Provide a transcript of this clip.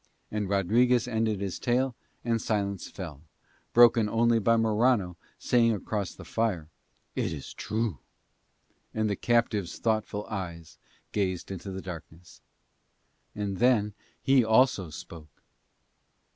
And Rodriguez ended his tale and silence fell, broken only by Morano saying across the fire, "It is true," and the captive's thoughtful eyes gazed into the darkness. And then he also spoke.